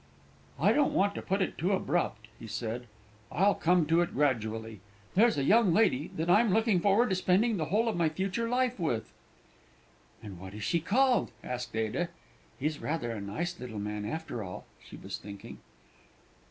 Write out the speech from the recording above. "I don't want to put it too abrupt," he said; "I'll come to it gradually. There's a young lady that I'm now looking forward to spending the whole of my future life with." "And what is she called?" asked Ada. ("He's rather a nice little man, after all!" she was thinking.)